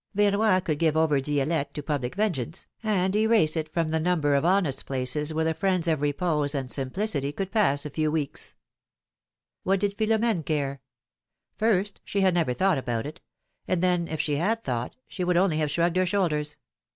Verroy could give over Di^lette to public vengeance, and erase it from the number of honest places where the friends of repose and simplicity could pass a few weeks. What did Philom^ne care? First, she had never thought about it; and then, if she had thought, she would only have shrugged her shoulders.